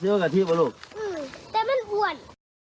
เจ๊ม่อนด์อ่ะลูกอ่ืมเจ๊ม่อนด์อ้วน